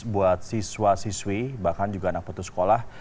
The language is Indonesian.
buat siswa siswi bahkan juga anak putus sekolah